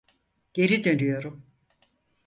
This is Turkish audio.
Geri dönüyorum.